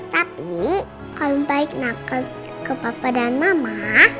tapi kalau om baik nakal ke papa dan mama